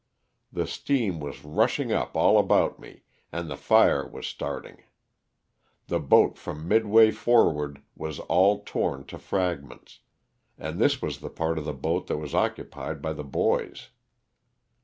The steam was rushing up all about me and the fire was starting. The bo&t from midway forward was all torn to frag ments, and this was the part of the boat that was occu pied by the boys.